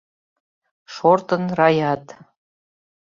— шортын Раят.